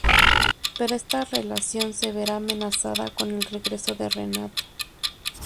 Pero esta relación se verá amenazada con el regreso de Renato.